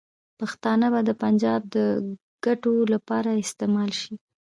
پښتانه به د پنجاب د ګټو لپاره استعمال شي.